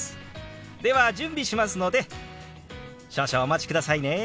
では準備しますので少々お待ちくださいね。